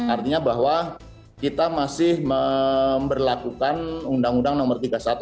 artinya bahwa kita masih berlakukan undang undang nomor tiga puluh satu tahun sembilan puluh tujuh tentang peradilan militer